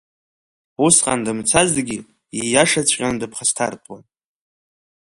Усҟан дымцазҭгьы, ииашаҵәҟьаны дыԥхасҭартәуан.